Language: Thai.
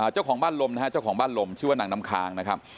เจ้าของบ้านลมนะฮะเจ้าของบ้านลมชื่อว่านางน้ำค้างนะครับ